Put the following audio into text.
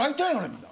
みんな！